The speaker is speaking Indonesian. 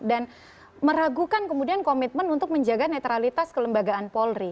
dan meragukan kemudian komitmen untuk menjaga netralitas kelembagaan polri